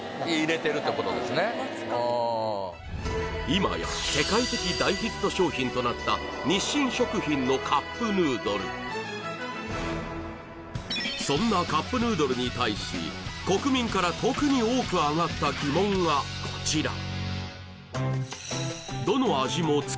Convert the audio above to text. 今や世界的大ヒット商品となった日清食品のカップヌードルそんなカップヌードルに対し国民から特に多くあがったギモンがこちら